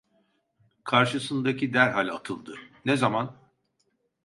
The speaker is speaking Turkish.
Karşısındaki derhal atıldı: "Ne zaman?"